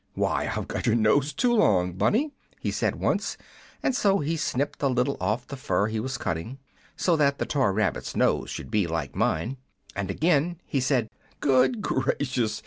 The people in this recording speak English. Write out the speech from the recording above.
"'Why, I've got your nose too long, Bunny,' he said once; and so he snipped a little off the fur he was cutting, so that the toy rabbit's nose should be like mine. And again he said, 'Good gracious!